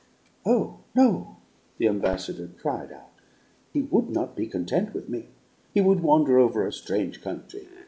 "Oh, no!" the ambassador cried out. "He would not be content with me; he would wander over a strange country."